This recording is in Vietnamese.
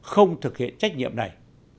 không thực hiện trách nhiệm này